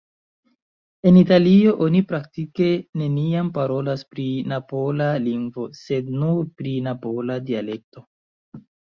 En Italio, oni praktike neniam parolas pri napola "lingvo", sed nur pri napola "dialekto".